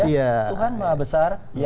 ya tuhan maha besar